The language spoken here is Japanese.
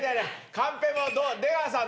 カンペも出川さん